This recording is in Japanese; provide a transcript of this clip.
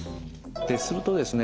するとですね